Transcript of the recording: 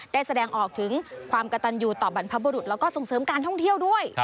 ได้แสดงออกถึงความกระตันอยู่ต่อบรรพบุรุษแล้วก็ส่งเสริมการท่องเที่ยวด้วย